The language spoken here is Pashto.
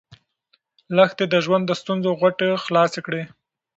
لښتې د ژوند د ستونزو غوټې خلاصې کړې.